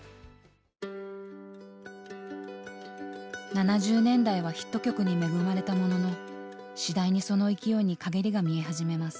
７０年代はヒット曲に恵まれたものの次第にその勢いにかげりが見え始めます。